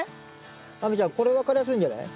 亜美ちゃんこれ分かりやすいんじゃない？